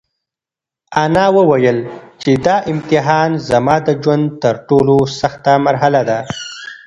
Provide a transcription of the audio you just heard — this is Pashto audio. انا وویل چې دا امتحان زما د ژوند تر ټولو سخته مرحله ده.